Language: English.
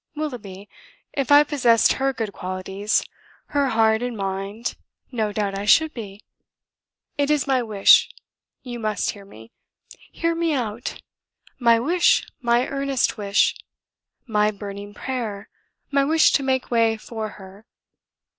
Willoughby, if I possessed her good qualities, her heart and mind, no doubt I should be. It is my wish you must hear me, hear me out my wish, my earnest wish, my burning prayer, my wish to make way for her.